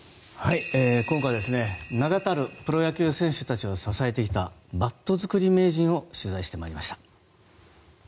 今回、名だたるプロ野球選手たちを支えてきたバット作り名人を取材してまいりました。